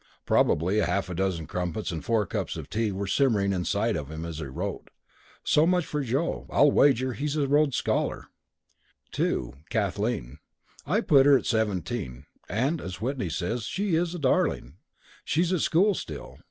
(Probably half a dozen crumpets and four cups of tea were simmering inside of him as he wrote). So much for Joe. I'll wager he's a Rhodes Scholar! "2. Kathleen. I put her at seventeen, and (as Whitney says) she's a darling. She's at school still.